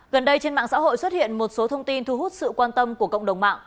gần đây trên mạng xã hội xuất hiện một số thông tin thu hút sự quan tâm của cộng đồng mạng